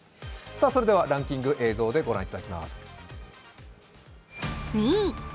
それではランキング、映像でご覧いただきます。